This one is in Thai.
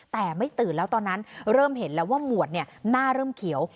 แต่ไม่ตื่นแล้วตอนนั้นเริ่มเห็นแล้วว่าหมวดหน้าเริ่มเขียว